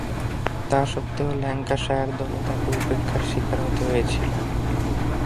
তাসত্ত্বেও, Lancashire দলে তাকে উপেক্ষার শিকার হতে হয়েছিল।